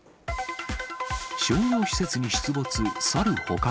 商業施設に出没、サル捕獲。